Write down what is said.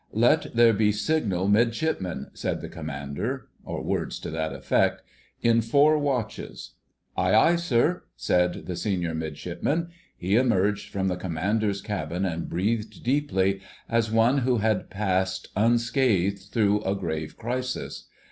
"Let there be Signal Midshipmen," said the Commander, or words to that effect, "in four watches." "Aye, aye, sir," said the Senior Midshipman. He emerged from the Commander's cabin and breathed deeply, as one who had passed unscathed through a grave crisis.